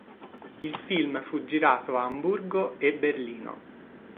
Il film fu girato a Amburgo e Berlino.